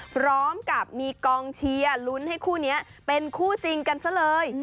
พร้อมกับมีกองเชียร์ลุ้นให้คู่นี้เป็นคู่จริงกันซะเลย